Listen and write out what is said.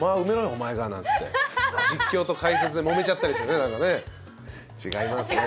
お前がなんつって実況と解説でもめちゃったりしてねなんかね違いますね